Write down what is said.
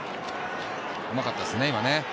うまかったですね、今ね。